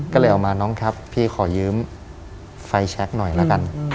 ก็เลยออกมาน้องครับพี่ขอยืมไฟแช็คหน่อยละกัน